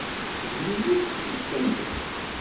D yelli teqcict-nni.